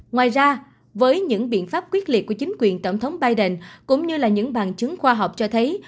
ngoài ra với những biện pháp quyết liệt của chính quyền tổng thống biden cũng như là những bằng chứng khoa học cho thấy